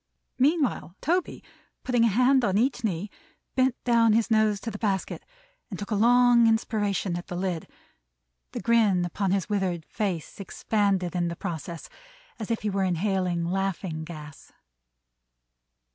Meanwhile Toby, putting a hand on each knee, bent down his nose to the basket, and took a long inspiration at the lid; the grin upon his withered face expanded in the process, as if he were inhaling laughing gas.